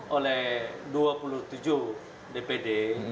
oleh dua puluh tujuh dpd